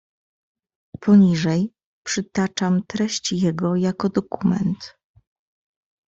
"Poniżej przytaczam treść jego, jako dokument."